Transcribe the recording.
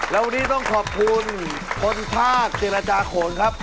แล้ววันนี้ต้องขอบคุณคนภาคเจรจาโขนครับ